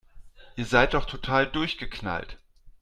Ihr seid doch total durchgeknallt